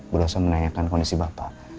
berusaha menanyakan kondisi bapak